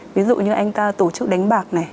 ví dụ như anh ta tổ chức đánh bạc này